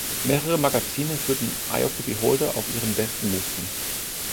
Mehrere Magazine führten "Eye of the Beholder" auf Ihren Bestenlisten.